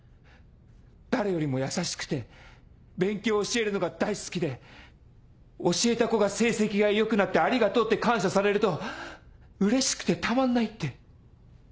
誰よりも優しくて勉強教えるのが大好きで教えた子が成績が良くなって「ありがとう」って感謝されるとうれしくてたまんないって。